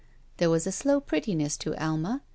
There was a slow prettiness to Alma.